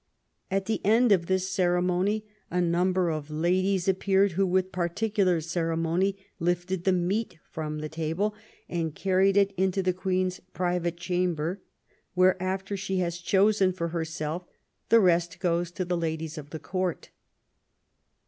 At the end of this ceremony a number of ladies appeared, who with particular ceremony lifted* the meat from the table and carried it into the Queen's private chamber, where after she has chosen for herself, the rest goes to the ladies of the Court."